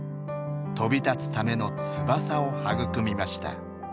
飛び立つための翼を育みました。